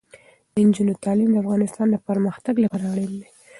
د نجونو تعلیم د افغانستان پرمختګ لپاره اړین دی.